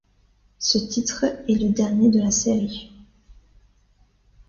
Ce titre est le dernier de la série.